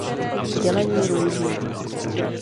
Dělení Růží.